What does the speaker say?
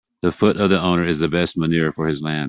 The foot of the owner is the best manure for his land.